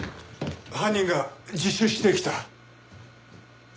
犯人が自首してきた。